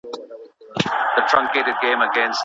په قلم لیکنه کول د ژوند د لاري د روښانه کولو ډېوه ده.